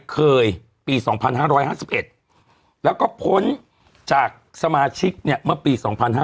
เคยปี๒๕๕๑แล้วก็พ้นจากสมาชิกเนี่ยเมื่อปี๒๕๖๑